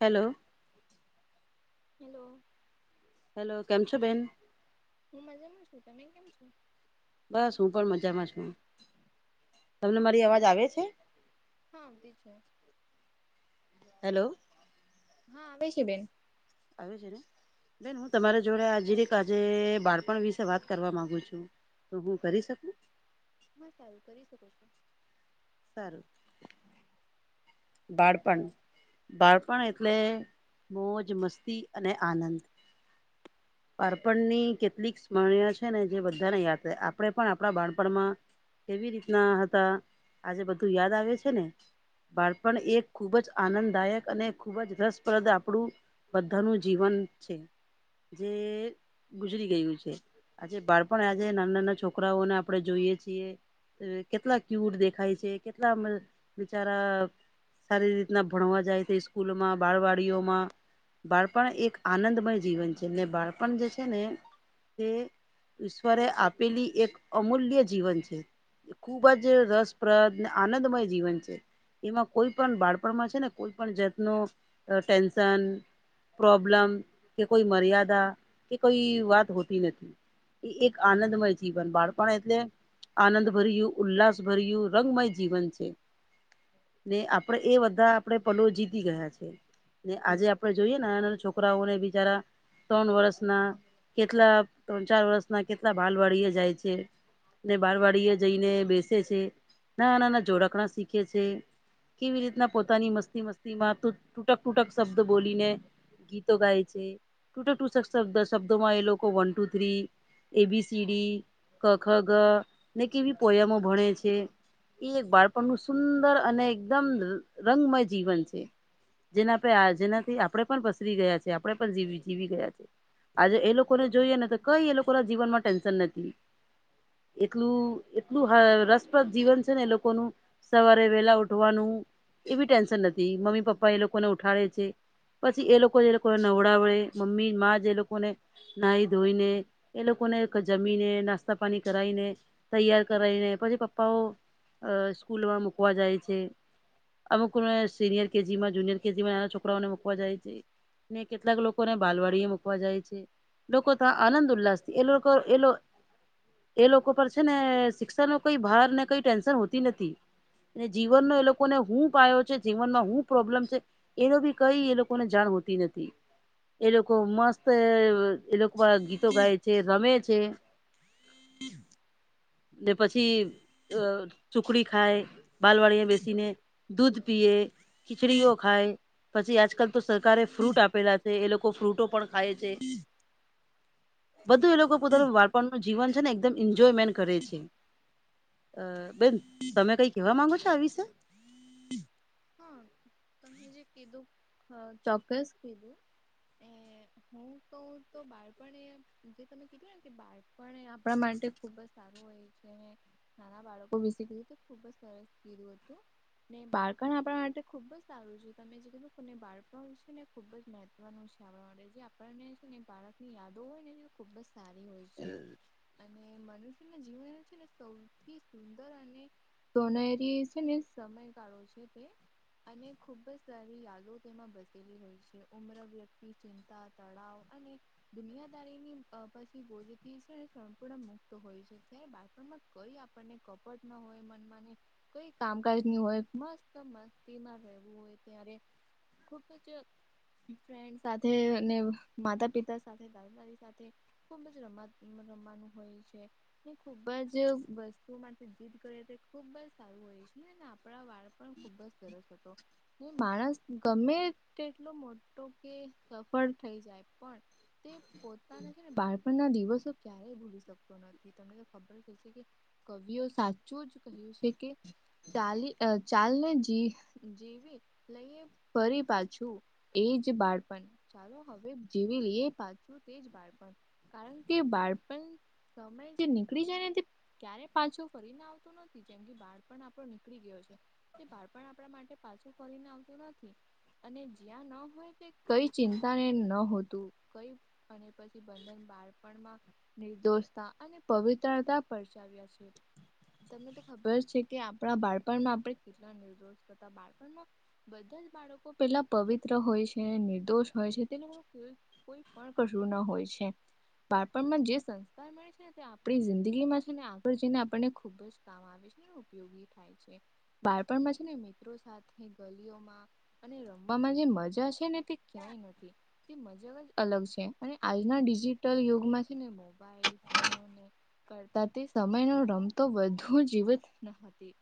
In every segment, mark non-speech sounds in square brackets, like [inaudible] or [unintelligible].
Hello hello hello કેમ છો બેન? હું મજામાં છું. તમે કેમ છો? બસ હું પણ મજામાં છું. તમને મારી અવાજ આવે છે? હા આવતી છે. હલો હા આવે છે બેન. આવે છે ને. બેન હું તમારા જોડે આજ જરીક આજે બાળપણ વિશે વાત કરવા માગુ છું. તો હું કરી શકું? હહ સારું કરી શકો છો. સારું. બાળપણ બાળપણ એટલે મોજ, મસ્તી અને આનંદ. બાળપણની કેટલીક સ્મરણીય છે ને જે બધાને યાદ હોય. આપણે પણ આપણા બાણપણમાં કેવી રીતના હતા, આજે બધું યાદ આવે છે ને બાળ પણ એ ખૂબ જ આનંદદાયક અને ખૂબ જ રસપ્રદ આપણું બધાનું જીવન છે. જે ગુજરી ગયું છે. આજે બાળપણ આજે નાના નાના છોકરાઓને આપણે જોઈએ છીએ. કેટલા ક્યુટ દેખાય છે. કેટલા બિચારા સારી રીતના ભણવા જાય તે સ્કૂલમાં બાળવાડીઓમાં. બાળપણ એક આનંદમય જીવન છે અને બાળપણ જે છે ને તે ઈશ્વરે આપેલી એક અમૂલ્ય જીવન છે એ ખુબ જ રસપ્રદ ને આનંદમય જીવન છે. એમાં કોઈ પણ બાળપણમાં છે ને કોઈ પણ જાતનો અ ટેન્શન પ્રોબ્લમ કે કોઈ મર્યાદા કે કોઈ વાત હોતી નથી. ઈ એક આનંદમય જીવન બાળપણ એટલે આનંદ ભર્યું ઉલ્લાસ ભર્યું રંગમય જીવન છે ને આપડે એ બધા આપડે પલો જીતી ગયા છે ને આજે આપડે જોઈએ નાના નાના છોકરાઓને બિચારા ત્રણ વર્ષના કેટલા ત્રણ ચાર વર્ષના કેટલા ભાલ વાડીી એ જાય છે ને બારવાડી એ જઈને બેસે છે નાના નાના જોડાકણા શીખે છે કેવી રીતના પોતાની મસ્તી મસ્તી માં ત ટૂટક ટૂટક શબ્દ બોલીને ગીતો ગાય છે ટૂટક ટક શબ્દોમાં એ લોકો વન ટુ થ્રી એબીસીડી કખગ ને કેવી પોયમો ભણે છે એ એક બાળપણનું સુંદર અને એકદમ રંગમય જીવન છે જેના આપે જેનાથી આપડણે પણ પસરી ગયા છે આપણે પણ જી જીવી ગયા છે આજે એ લોકોને જોઈએ ને તો કઈ એ લોકો ના જીવન માં ટેન્શન નથી એટલું એટલું રસપ્રદ જીવન છે ને એ લોકોનું સવારે વેલા ઉઠ ઉવાનું એ ટેન્શન નથી મમ્મી પપ્પા એ લોકોને ઉઠાડે છે પછી એ લોકો જે લોકોને નવડાવડે મમ્મી માં જે લોકોને નાહી ધોઈને એ લોકોને જમીને નાસ્તા પાની કરાવાઈને તૈયાર કરાઈને પછી પપ્પાઓ સ્કૂલમાં મુૂકવા જાય અમુક સિનિયર કેજી માં જુનિયર કેજી માં નાના છોકરાઓને મુકવા જાય છે ને કેટલાક લોકોને બાલવાડી એ મૂકવા જાય છે લોકો ત આનંદ ઉલ્લાસથી એ લોકો એ લોકો એ લોકો પર છે ને શિક્ષા ન કઈ ભાર ને કઈ ટેન્શન હોતી નથી અને જીવનનો એ લોકોને હું પો છે જીવનમાં હું પ્રોબ્લેમ છે એનો બી કઈ એ લોકોને જાણ હોતી નથી એ લોકો મસ્ત એ ગીતો ગાય છે રમે છે હ ને પછી ચુકડી ખાય બાાલવાળિયા બેસીને દૂધ પીય ખિચડીઓ ખાય પછી આજકાલ તો સરકારે ફ્રૂટ આપેલા છે એ લોકો ફ્રૂટો પણ ખાય છે બધું એ લોકો પોતાનું વાળપણનું જીવન છે ને એકદમ એન્જોયમેન્ટ કરે છે અ બેન તમે કઈ કેવા માંગો છો આ વિશે હા તમને કીધું ચોક્કસ કીધું હું કહ તો બાળપણ એ જે તમે કીધું ને કે બાળપ આપણા માટે ખુબ જ સારું હોય છે હે નાના બાળકો વિશે કહીએ તો ખુબ જ સરસથી બાળકણ આપણા માટે ખુબ જ સારું તમે જે કીધું કેને બાળક છે ને ખુબ જ મહત્વનું છે આપણા માટે જે આપણને છે ને એ બાળક ની યાદો હોય ને ખૂબ જ સારી હોય છે અને મનુષ્યના જીવન છે ને સૌ સુંદર અને સોનારી છે ને સમયગાળો છે અને ખુબ જ સારી યાદો તેમાં બસેલી હો ઉમ્ર વ્યક્તિ ચિંતા હતા તળાવ અને દુનિયાદારીની પછી ભોજથી છે સંપૂર્ણ મુક્ત હોય શકે બાળપણમાં કઈ આપણને કપટ ના હોય મ ઈ કામકાજ ન હોય મસ્ત મસ્તીમાં રહેવું હોય ત્યારે ખુબ જ ફન્ડ સાથે માતા પિતા સાથે નથી ખુબજ રમત રમવાનું હોય છે એ ખુબ જ વસ્તુમાંથી જીદ કરે. ખુબ જ સારું હોય છે ને આપણા વાળ પણ ખુબ જ સરસ હતો. માણસ ગમે તેટલો મોટો કે સફળ થઈ જાય પણ તે પોતાના છે ને બાળપણ ના દિવસો ક્યારેય ભૂલી શકતો નથી તમને [unintelligible] કવિઓ સાચું જ કહ્યું છે કે ચાલી ચાલ ને જી જીવી લઈએ ફરી પાછું એજ બાળપણ ચાલો હવે જીવી લઈએ પાછું શું તેજ બાળપણ કારણ કે બાળપણ સમય જે નીકળી જાય ને તે ક્યારે પાછો ફરીને આવતો નથી. જેમ કે બાળપણ આપણો નીકળી ગયો છે તે બાર પણ આપણા માટે પાછું. ફરી ને આવતું નથી અને જ્યાં ન હોય. કઈ ચિંતા ને ન હોતું કઈ અને પછી બંધન બાર પણ નિર્દોષતા અને પવિત્રતા પરચાવ્યા છે. તમને તો ખબર જ છે કે આપણા બાળપણમાં આપણે કેટલા નિર્દોષતા બાળપણમાં બધા જ બાળકો પેલા પવિત્ર હોય છે નિર્દોષ હોય છે. કોઈ પણ કશું ના હોય છે બાળપણમાં જે સંસ્કાર મળે છે આપણી જિંદગી માં છે ને આગળ જઈને આપણને ખુબ જ કામ આવે છે [unintelligible] થાય છે બાળપણમાં છે ને મિત્રો સાથે ગલીઓમાં અને રમવામાં જે મજા છે ને તે ક્યાંય નથી તે મજા જ અલગ છે અને આજના ડિજિટલ યુગમાં છે ને મોબાઈલ ફોન કરતા તે સમય ન રમતો વધુ જીવત ન હતી.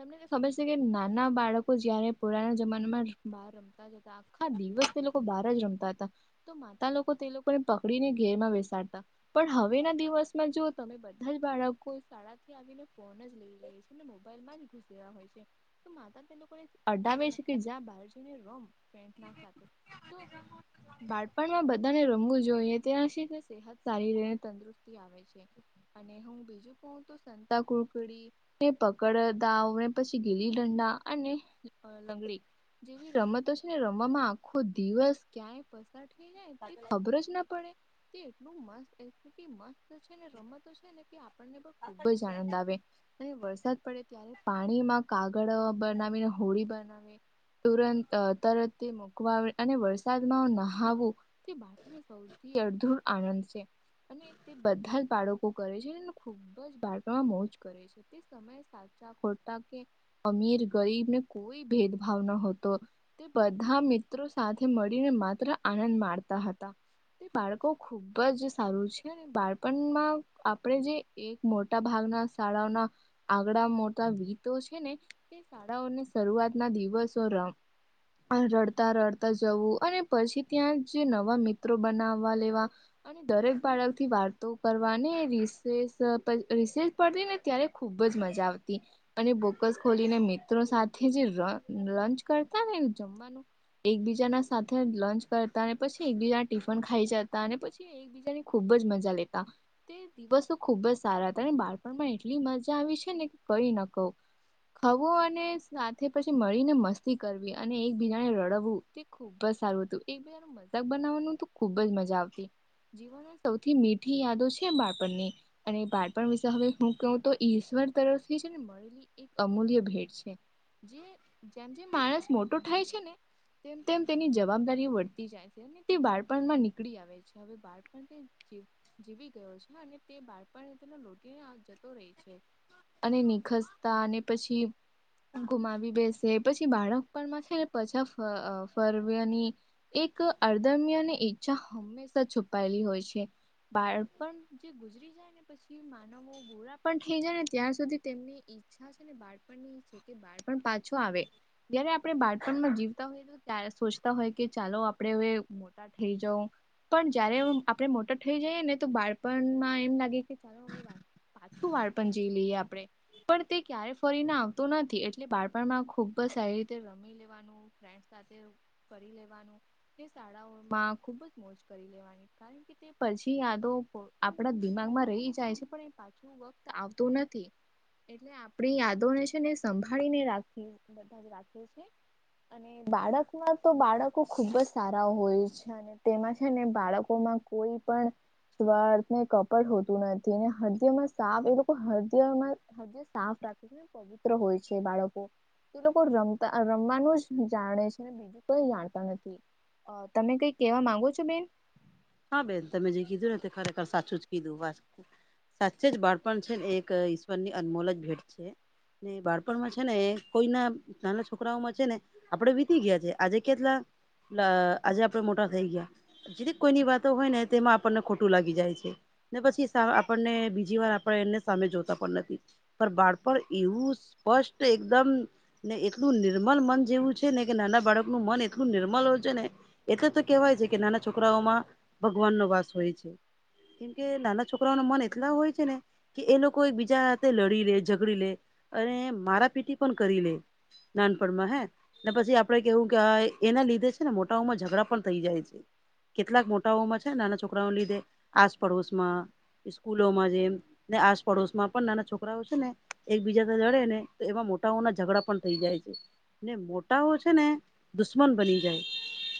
તમને ખબર છે કે નાના બાળકો જયારે પુરાના જમાનામાં બહાર રમતા આખા દિવસ તે લોકો બહાર જ રમતા હતા. તો માતા લોકો તે લોકોને પકડીને ઘેર બેસાડતા પણ હવે ના દિવસમાં જો તમે બ બધા જ બાળકો શાળા થી આવીને ફોન જ લઈ લે છે ને મોબાઈલ માં જ [unintelligible] હોય છે માતા તે લોકોને અડાવે છે કે જ્યાં બાર જઈને રમ [unintelligible] તો બાળપણમાં બધાને રમવું જોઈએ ત્યાં શીખે. સત સારી રીતે તંદુરસ્તી આવે છે અને હું બીજું કો તો સંતાકુકડી ને પકડ દાવ ને પછી ગીલી દંડા અને લંગડી જેવી રમતો છે ને રમવામાં આખો દિવસ ક્યાંય [unintelligible] ખબર જ ના પડે તે એટલું [unintelligible] [unintelligible] રમતો છે આપણને પણ ખુબ જ આનંદ આવે અને વરસાદ પડે ત્યારે પાણીમાં કાગળ બનાવીને હોળી બનાવી ને તુર તરતથી મકવા અને વરસાદમાં નાવું તે બાળક ને સૌથી વધૂ આનંદ છે. અને તે બધા જ બાળકો કરે છે ને ખુબ જ બાળકોમાં મોજ કરે છે તે અને સાચા ખોટા કે અમીર ગરીબને કોઈ ભેદભાવ નહતો એ બધા મિત્રો સાથે મળીને માત્ર આનંદ માણતા હતા. બાળકો ખુબ જ સારું છે બાળપણમાં આપણે જે એક મોટા ભાગના શાળાઓના આગળ મોટા વિતો છે ને શાળાઓને શરૂઆત ના દિવસો રમ રડતા રડતા જવું અને પછી ત્યાં જે નવા મિત્રો બનાવવા લેવા અને દરેક બાળક થી વાર્તો કરવાને રિસે રિસે પડતી ને ત્યારે ખુબ જ મજા આવતી અને બોકસ ખોલીને મિત્રો સાથે જે લ લંચ કરતા ને જમવાનું એકબીજાના સાથે લંચ કરતા અને પછી એકબીજાના ટિફિન ખાઈ જતા અને પછી એકબીજાની ખુબજ મજા લેતા તે દિવસો ખુબ જ સારા હતા અને બાળપણમાં એટલી મજા આવી છે ને કે કઈ ન કહું. ખવું અને સાથે પછી મળીને મસ્તી કરવી અને એકબીજાને રડવું તે ખુબ જ સારું હતું. એક બજાનું મજાક બનાવવાનું તો ખુબ જ મજા આવતી. જીવનની સૌથી મીઠી યાદો છે બાળપણની. અને એ બાળપણ વિશે હવે હું કેવું તો, ઈશ્વર તરફથી છે ને મળેલી એક અમૂલ્ય ભેટ છે. જે જેમ જેમ માણસ મોટો થાય છે ને તેમ તેમ તેની જવાબદારી વધતી જાય છે અને તે બાળપણમાં નીકળી આવે છે હવે બાળપણ જી જીવી ગયો છે આ ને તે બાળપણ તે લોટીને જતો રહે છે અને નિખસતા અને પછી ગુમાવી બેસે પછી બાળક પણ માં છે ને પછા ફ અ ફરવેની એક અર્ધમ્યને ઈચ્છા હંમેશા છુપાયેલી હોય છે. બાળપણ તે ગુજરી જાઈને. પછી માનવો બુરા પણ થઈ જાય ને, ત્યાં સુધી તેમની ઈચ્છા છે ને બાળપણની ઈરછા પછી બાળપણ પાછો આવે, જયારે આપણે બાળપણમાં જીવતા હોય એ ત્યારે સોચતા હોય, કે ચાલો આપડે હવે મોટા થઈ જવું. પણ જયારે આપડે મોટા થઈ જઈએ ને, તો બાળપણમાં એમ લાગે કે, ચાલો હવે વાત પાછું બાળપણ જીવી લઈએ આપણે, પણ તે ક્યારે ફરી ના આવતું. તો નથી, એટલે બાળપણમાં ખુબ જ સારી રીતે રમી, ફ્રેન્ડ સાથે રમી લેવાનું. ફરી લેવાનું, તે શાળાઓમાં ખુબ જ મોજ કરી લેવાનું. અને કારણ કે, તે પછી યાદો કો આપડા દિમાગમાં રહી જાય છે. પણ એ પાછું વક્ત આવતો નથી, એટલે આપણી યાદોને છે આપ ને સંભાળીને રાખી, બધા જ રાખીશ. અને બાળકમાં તો બાળકો ખુબ જ સારા હોય છે. તેમાં છે ને, બાળકો માં કોઈ પણ સ્વાર્થ ને કપટ હોતું નથી. હદયમાં સાફ એ લોકો હદયમાં સ એણે સાફ રાખે છે ને, પવિત્ર હોય છે બાળકો. એ લોકો રમતા રમવાનું જ જાણે છે ને, બીજું કઈ જાણતા નથી. અ તમે કઈ કેવા માંગો છો બેન? હા બેન, તમે જે કીધું ને, તે ખરેખર સાચું જ કીધું વાત. સાચે જ, બાળપણ છે ને એક ઈશ્વર ની અનમોલ જ ભેટ છે. ને બાળપણમાં છે ને, એ કોઈના નાના છોકરાઓમાં છે ને આપડે વીતી ગયા છે. આજે કેટલા આજે આપડે મોટા થઈ ગયા, જે કોઈની વાતો હોય ને, તેમાં આપણને ખોટું લાગી જાય છે. ને પછી, સા, આપણને બીજી વાર આપણે એને સામે જોતા પણ નથી. પર બાળપણ એવું સ્પષ્ટ એકદમ. ને એટલું નિર્મલ મન જેવું છે ને, કે નાના બાળકનું મન એટલું નિર્મલ હોય છે ને. એટલે તો કેહવાય છે કે, નાના છોકરાઓમાં ભગવાન નો વાસ હોય છે. કેમ કે, નાના છોકરાઓ ના મન એટલા હોય છે ને કે એ લોકો એક બીજા હાથે લડી લે, ઝઘડી લે અને મારા પીટી પણ કરી લે. નાનપણ માં હે. ને પછી આપડે કેવું કે, આ એના લીધે છે ને, મોટા ઓમાં ઝઘડા પણ થઈ જાય છે. કેટલાક મોટાઓમાં છે, નાના છોકરાઓને લીધે આસ પડોશ માં સ્કૂલોમાં જે ને, આસપડોશ માં પણ નાના છોકરાઓ છે ને એક બીજા લડે ને, તો એમાં મોટાઓના ઝઘડા પણ થઈ જાય છે. ને મોટાઓ છે ને, દુશ્મન બની જાય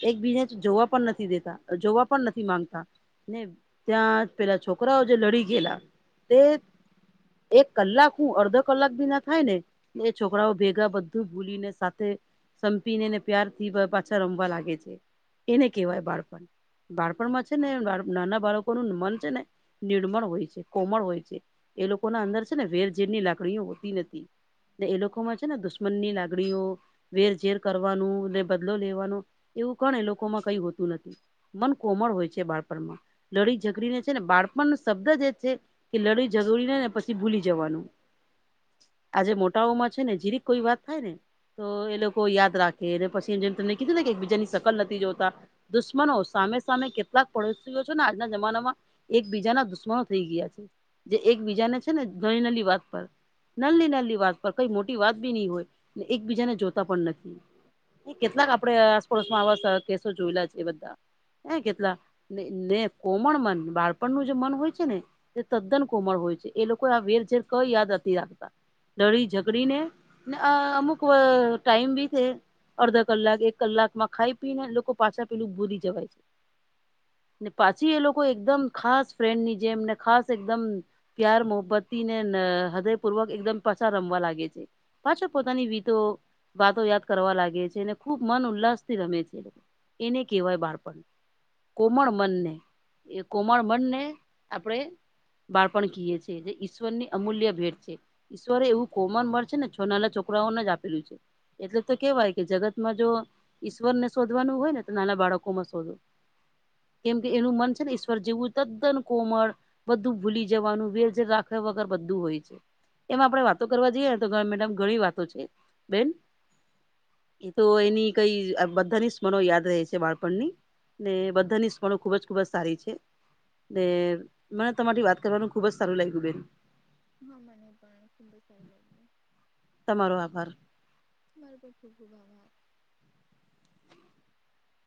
એક બીજાથી. જોવા પણ નથી દેતા. જોવા પણ નથી માંગતા ને, ત્યાં પેલા છોકરાઓ જે લડી ગયેલા તે એક કલાક, હું અર્ધો કલાક બી ના થાય ને એ છોકરાઓ ભેગા બધું ભૂલીને સાથે. સંપીને, એને પ્યારથી પાછા રમવા લાગે છે, એને કહેવાય બાળપણ બાળપણમાં છે ને, બાળ નાના બાળકોનું મન છે ને. નિર્મળ હોય છે, કોમળ હોય છે. એ લોકો ના અંદર છે ને, વેર-ઝેરની લાગણીઓ હોતી નથી. એ લોકોમાં છે ને, દુશ્મનની લાગણીઓ વેરઝેર કરવાનું ને, બદલો લેવાનો એવું કોણે લોકોમાં કઈ હોતું નથી. મન કોમળ હોય છે, બાળપણમાં લડી-ઝધડીને છે ને, બાળપણ શબ્દ જે છે કે લડાઈ-ઝધડીને ને, પછી ભૂલી જવાનું. આજે મોટાઓમાં છે ને, જીરી કોઈ વાત થાય ને તો એ લોકો યાદ રાખે અને પછી જેમ તમને કીધું ને કે એક બીજાની સકલ નથી જોતા દુશ્મનો સામે સામે કેટલાક પડોશીઓ છે ને આજના જમાનામાં એક બીજાના દુશ્મનો થઈ ગયા છે જે એકબીજા ને છે ને ઘણી નલી વાત પર નાલી નાલી વાત પર કઈ મોટી વાત બી નહી હોય એકબીજાને જોતા પણ નથી કેટલાક આપડે આસપડોસમાં આવા કેસો જોયેલા છે એ બધા હ કેટલાક ને કોમણ મન બાળપણ નું જે મન હોય છે ને તે તદ્દન કોમળ હોય છે એ લોકો આ વેર જેેર કઈ યાદ નથી રાખતા ડળી ઝકડીને ને આ અમુક ટાઈમ બી છે અડધા કલાક એક કલાકમાં ખાઈ પી ને લોકો પાછા પેલું ભૂરી જવાય છે ને પાછી એ લોકો એકદમ ખાસ ફ્રેન્ડની જે એમને ખાસ એકદમ પ્યાર મોહબ્બતી ને હૃદયપૂર્વક એકદમ પછા રમવા લાગે છે પાછો પોતાની વિીતો વાતો યાદ કરવા લાગે છે અનેને ખુબ મન ઉલ્લાસ થી રમે છે એને કહેવાય બાળપણ કોમળ મનને એ કોમળ મનને આપણેે બાળપણ કએ છ છે જે ઈશ્વરની અમૂલ્ય ભેટ છે ઈશ્વરે એવું કોમન મળે છે ને છો નાના છોકરાઓને જ આપેલું છે. એટલે તો કહેવાય છે કે, જો આ જગતમાં ઈશ્વરને શોધવા હોય, તો નાના બાળકોમાં શોધવા. કેમ કે એનું મન ઈશ્વર જેવું તદ્દન કોમળ છે. બધું ભૂલી જવાનું વે રાખવા વગર બધું હોય છે. એમાં આપણેે વાતો કરવા જઈએ ને તો મેડમ ઘણી વાતો છે બેન. એ તો હા એની કઈ અ બધાની સ્મણો યાદ રહે છે બાળપણની. ને બધા સ્ફણો ખુબ જ ખુબ જ સારી છે. ને મે તમારીથી વાત કરવાનું ખુબ જ સારું લાગ્યું બેન. હા મને પણ ખુંબ સાર લાગને. તમારો આભાર. [inaudible]